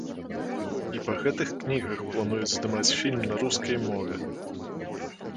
І па гэтых кнігах плануюць здымаць фільм на рускай мове!